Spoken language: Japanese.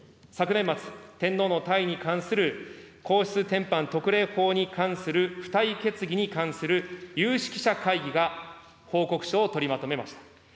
昨年末、天皇の退位に関する皇室典範特例法に関する付帯決議に関する有識者会議が報告書を取りまとめました。